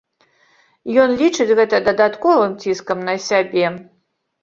Ён лічыць гэта дадатковым ціскам на сябе.